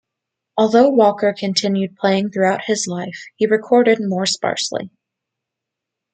Although Walker continued playing throughout his life, he recorded more sparsely.